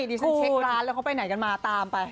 ดิฉันเช็คร้านแล้วเขาไปไหนกันมาตามไป